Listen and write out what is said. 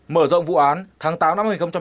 mở rộng vụ án tháng tám năm hai nghìn hai mươi